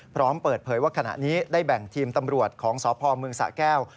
พร้อมเปิดเผยว่าขณะนี้ได้แบ่งทีมตำรวจของสพเมืองสะแก้ว